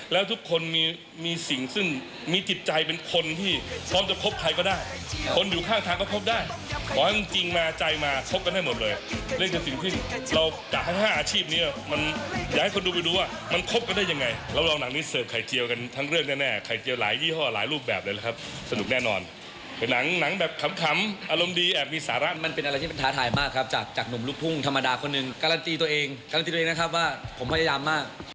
แล้วทุกคนมีสิ่งซึ่งมีจิตใจเป็นคนที่พร้อมจะคบใครก็ได้คนอยู่ข้างก็คบได้ขอให้จริงมาใจมาคบกันให้หมดเลยเรียกจะสิ่งขึ้นเราจะให้๕อาชีพนี้มันอยากให้คนดูไปดูว่ามันคบกันได้ยังไงเราลองหนังนี้เสิร์ฟไข่เจียวกันทั้งเรื่องแน่ไข่เจียวหลายยี่ห้อหลายรูปแบบเลยครับสนุกแน่นอนหนังแบบขำอารม